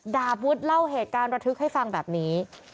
ดาบวุฒิเล่าเหตุการณ์ระทึกให้ฟังแบบนี้